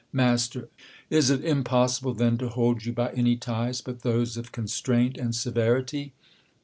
Mast, Is it impossible, then, to hold you by aay ties but those of constraint and severity